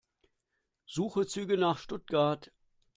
Suche Züge nach Stuttgart.